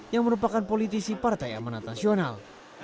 yang merupakan politisi partai amanat nasional